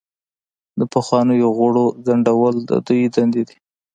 د پخوانیو غړو ځنډول د دوی دندې دي.